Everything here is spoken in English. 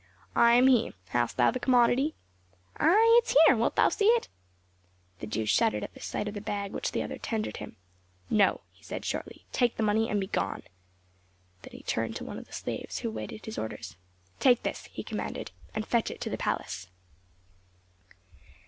"I am he. Hast thou the commodity?" "Ay! it is here; wilt thou see it?" The Jew shuddered at sight of the bag which the other tendered him. "No!" he said shortly. "Take the money and be gone." Then he turned to one of the slaves who waited his orders. "Take this," he commanded, "and fetch it to the palace."